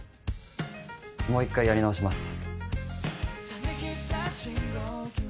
もう一回やり直します。